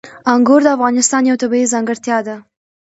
انګور د افغانستان یوه طبیعي ځانګړتیا ده.